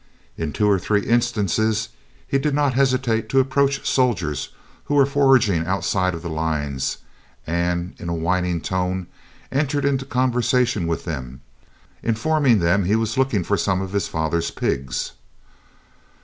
In two or three instances he did not hesitate to approach soldiers who were foraging outside of the lines, and in a whining tone, enter into conversation with them, informing them he was looking for some of his father's pigs.